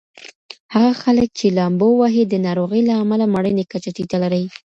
هغه خلک چې لامبو وهي د ناروغۍ له امله مړینې کچه ټیټه لري.